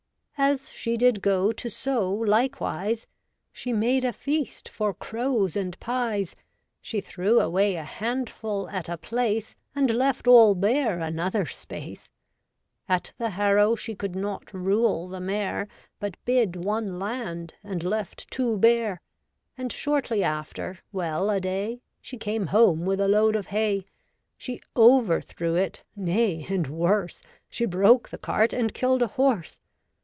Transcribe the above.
As she did go to sow likewise, She made a feast for crows and pies. She threw away a handful at a place. And left all bare another space. At the harrow she could not rule the mare, But bid one land, and left two bare : And shortly after, well a day, As she came home with a load of hay, She overthrew it, nay, and worse. She broke the cart and kill'd a horse.